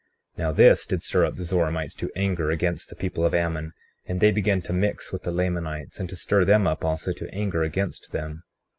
35:10 Now this did stir up the Zoramites to anger against the people of Ammon, and they began to mix with the Lamanites and to stir them up also to anger against them.